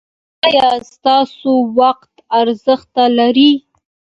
ایا ستاسو وخت ارزښت لري؟